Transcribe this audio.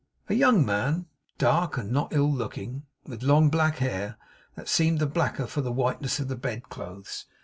A young man dark and not ill looking with long black hair, that seemed the blacker for the whiteness of the bed clothes.